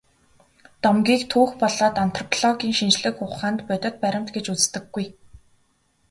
Домгийг түүх болоод антропологийн шинжлэх ухаанд бодит баримт гэж үздэггүй.